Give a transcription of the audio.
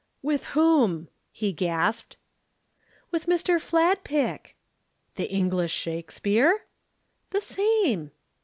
"With whom?" he gasped. "With Mr. Fladpick!" "The English Shakespeare?" "The same!"